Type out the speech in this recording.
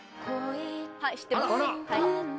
はい知ってます。